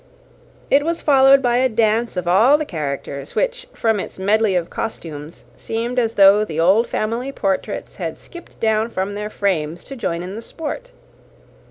It was followed by a dance of all the characters, which, from its medley of costumes, seemed as though the old family portraits had skipped down from their frames to join in the sport.